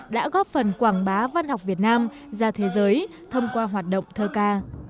đã góp phần quảng bá văn học việt nam ra thế giới thông qua hoạt động thơ ca